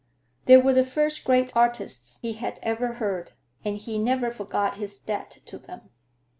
They were the first great artists he had ever heard, and he never forgot his debt to them.